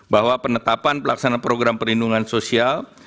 bahwa penetapan pelaksanaan program perlindungan sosial